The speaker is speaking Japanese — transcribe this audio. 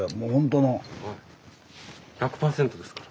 １００％ですから。